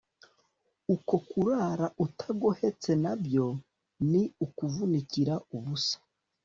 uko kurara utagohetse, na byo ni ukuvunikira ubusa